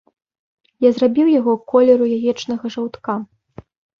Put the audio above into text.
Я зрабіў яго колеру яечнага жаўтка.